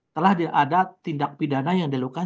telah ada tindak pidana yang dilakukan